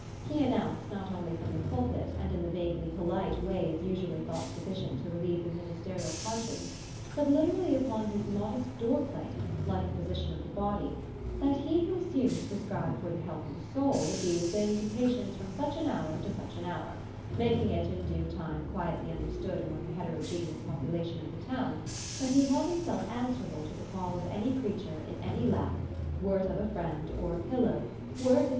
He announced not onty from the pulpit and in the vaguely polite ways usually thought sufficient to relieve the ministerial conscience, but literally upon his modest door plate, like a physician of the body, that he who assumed to prescribe for the health of the soul would be within to patients from such an hour to such an hour, mak ing it in due time quietly understood among the heterogeneous population of the town, that he held himself answerable to the call of any creature in any lack, were it of a friend or a pillow, were it of THE STORY OF AVIS.